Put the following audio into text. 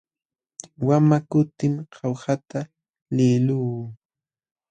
Wamaq kutim Jaujata liqluu.